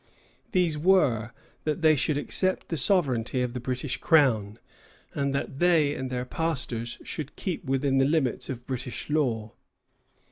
These were that they should accept the sovereignty of the British Crown, and that they and their pastors should keep within the limits of British law.